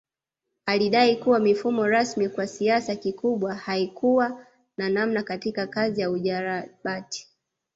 Alidai kuwa mifumo rasmi kwa kiasi kikubwa haikuwa na maana katika kazi ya ujarabati